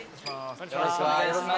よろしくお願いします。